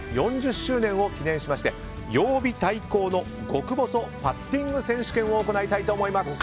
４０周年を記念しまして曜日対抗の極細パッティング選手権を行いたいと思います。